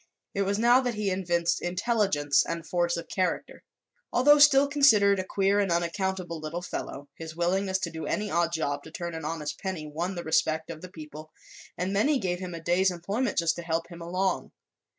It was now that he evinced intelligence and force of character. Although still considered a queer and unaccountable little fellow, his willingness to do any odd job to turn an honest penny won the respect of the people and many gave him a day's employment just to help him along.